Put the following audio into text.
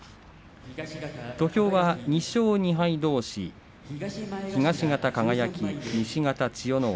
土俵は２勝２敗どうし東方輝、西方千代ノ皇